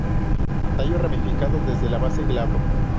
Tallo ramificado desde la base, glabro.